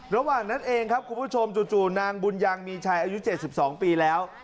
ระหว่างนั้นเองครับคุณผู้ชมจู่นางบุญยังมีชัยอายุ๗๒ปีแล้ว